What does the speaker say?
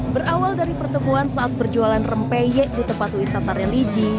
berawal dari pertemuan saat berjualan rempeyek di tempat wisata religi